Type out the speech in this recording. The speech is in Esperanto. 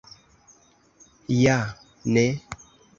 Ja ne!